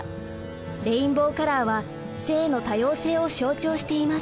レインボーカラーは性の多様性を象徴しています。